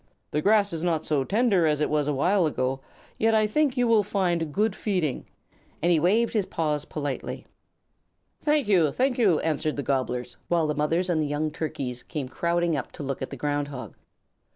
The grass is not so tender as it was a while ago, yet I think that you will find good feeding," and he waved his paws politely. "Thank you, thank you!" answered the Gobblers, while the mothers and young Turkeys came crowding up to look at the Ground Hog.